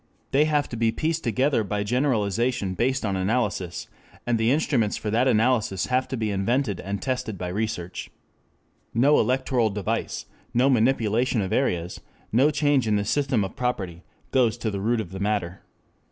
They have to be pieced together by generalization based on analysis, and the instruments for that analysis have to be invented and tested by research. No electoral device, no manipulation of areas, no change in the system of property, goes to the root of the matter.